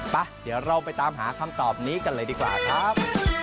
ไปเดี๋ยวเราไปตามหาคำตอบนี้กันเลยดีกว่าครับ